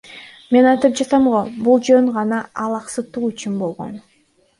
Мен айтып жатам го, бул жөн гана алаксытуу чуусу болгон.